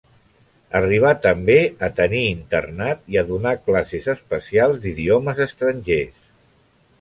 Arribà també a tenir internat i a donar classes especials d'idiomes estrangers.